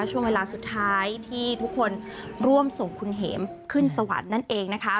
ช่วงเวลาสุดท้ายที่ทุกคนร่วมส่งคุณเห็มขึ้นสวรรค์นั่นเองนะคะ